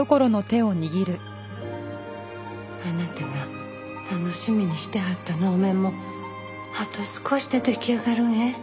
あなたが楽しみにしてはった能面もあと少しで出来上がるんえ。